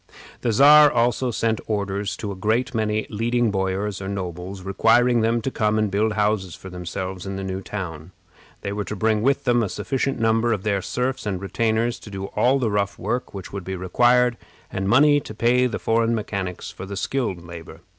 The Czar also sent orders to a great many leading boyars or nobles, requiring them to come and build houses for themselves in the new town. They were to bring with them a sufficient number of their serfs and retainers to do all the rough work which would be required, and money to pay the foreign mechanics for the skilled labor.